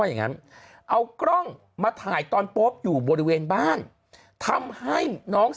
อย่างนั้นเอากล้องมาถ่ายตอนโป๊ปอยู่บริเวณบ้านทำให้น้อง